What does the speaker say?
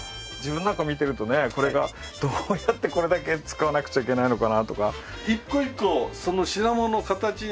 自分なんか見てるとねこれがどうやってこれだけ使わなくちゃいけないのかなとか。